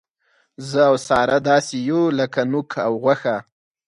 زه او ساره داسې یو لک نوک او غوښه.